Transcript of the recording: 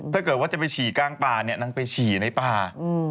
ถ้าเกิดว่าจะไปฉี่กลางป่าเนี่ยนางไปฉี่ในป่า